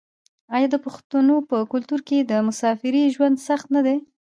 آیا د پښتنو په کلتور کې د مسافرۍ ژوند سخت نه دی؟